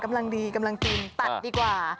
กำลังดีกำลังกินตัดดีกว่า